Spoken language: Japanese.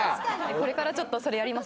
これからちょっとそれやります。